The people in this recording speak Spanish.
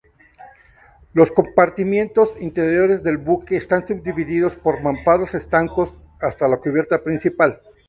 Los compartimentos interiores del buque están subdivididos por mamparos estancos, hasta la cubierta principal.